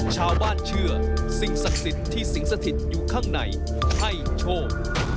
ชาวบ้านเชื่อสิงห์ศักดิ์สิทธิ์ที่สิงห์ศักดิ์สถิตรอยู่ข้างในให้โชค